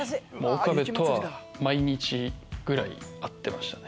岡部とは毎日ぐらい会ってた。